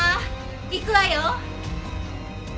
行くわよ！